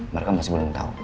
mereka masih belum tahu